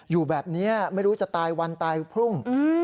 อยู่แบบนี้ไม่รู้จะตายวันตายพรุ่ง